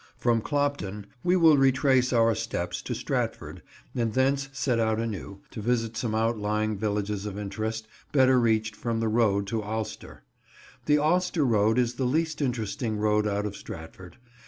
From Clopton we will retrace our steps to Stratford, and thence set out anew, to visit some outlying villages of interest, better reached from the road to Alcester. The Alcester road is the least interesting road out of Stratford.